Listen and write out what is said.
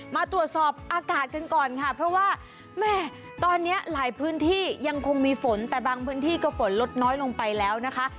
มาตรวจสอบอากาศกันก่อนค่ะเพราะว่าแม่ตอนนี้หลายพื้นที่ยังคงมีฝนแต่บางพื้นที่ก็ฝนลดน้อยลงไปแล้วนะคะ